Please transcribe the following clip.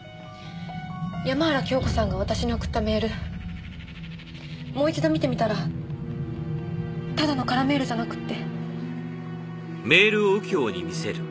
山原京子さんが私に送ったメールもう一度見てみたらただの空メールじゃなくって。